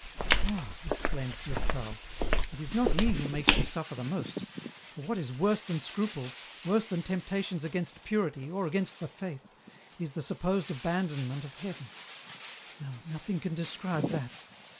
" Ah !" exclaimed Durtal, "it is not he who makes you suffer the most ; for what is worse than scruples, worse than temptations against purity, or against the Faith, is the sup posed abandonment of Heaven ; no, nothing can describe that."